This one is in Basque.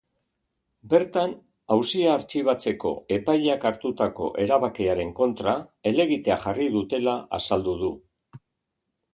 Bertan, auzia artxibatzeko epaileak hartutako erabakiaren kontra helegitea jarri dutela azaldu du.